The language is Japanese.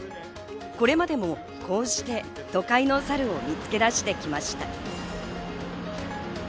これまでもこうして都会のサルを見つけ出してきました。